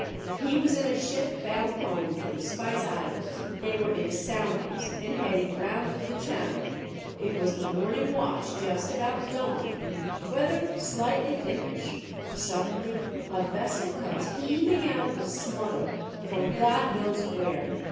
He was in a ship bound home from the Spice Islands ; they were in sound ings, and heading round for the Channel ; it was the morning watch, just about dawn, weather slightly thickish ; suddenly a vessel comes heaving out of the smother from God knows where